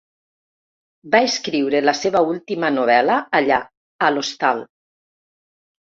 Va escriure la seva última novel·la allà, a l'hostal.